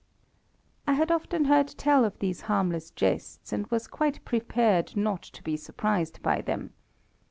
I had often heard tell of these harmless jests, and was quite prepared not to be surprised by them.